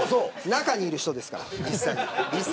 中にいる人ですから。